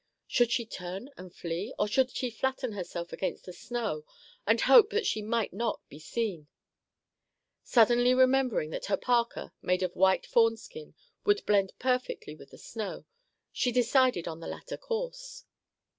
Should she turn and flee, or should she flatten herself against the snow and hope that she might not be seen? Suddenly remembering that her parka, made of white fawnskin, would blend perfectly with the snow, she decided on the latter course.